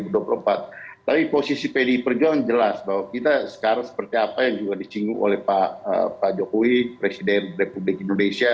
tapi posisi pdi perjuangan jelas bahwa kita sekarang seperti apa yang juga disinggung oleh pak jokowi presiden republik indonesia